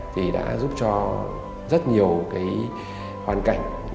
thì đã giúp cho rất nhiều hoàn cảnh